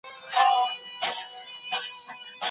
ایا ګڼو خلګو اوږد ډنډ ړنګ کړ؟